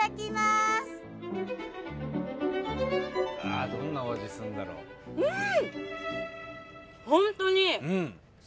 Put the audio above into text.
あどんなお味すんだろううんうん